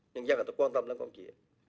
nhân dân là tôi quan tâm lắm con chị